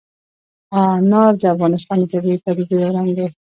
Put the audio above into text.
انار د افغانستان د طبیعي پدیدو یو رنګ دی.